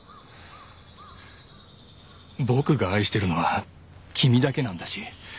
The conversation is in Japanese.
僕が愛してるのは君だけなんだし。